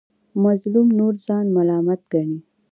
مظلوم نور ځان ملامت ګڼي.